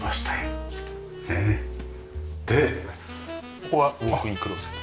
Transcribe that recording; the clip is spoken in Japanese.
ここはウォークインクローゼット。